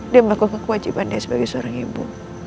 dia melakukan kewajibannya sebagai seorang ibu